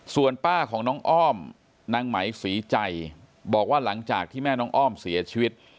ส่วนป้าของน้องอ้อมนางไหมศรีใจบอกว่าหลังจากที่แม่น้องอ้อมเสียชีวิต